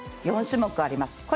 ４種目あります。